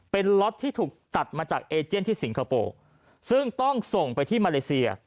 เป็นล็อตที่ถูกตัดมาจากเอเจนที่สิงคโปร์ซึ่งต้องส่งไปที่มาเลเซีย